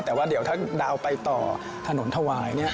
แต่ว่าเดี๋ยวถ้าดาวไปต่อถนนถวาย